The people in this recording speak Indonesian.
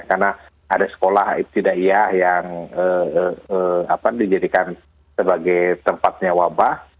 karena ada sekolah tidak iya yang dijadikan sebagai tempatnya wabah